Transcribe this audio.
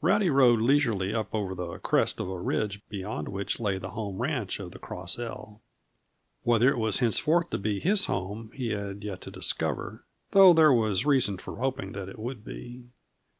Rowdy rode leisurely up over the crest of a ridge beyond which lay the home ranch of the Cross L. Whether it was henceforth to be his home he had yet to discover though there was reason for hoping that it would be.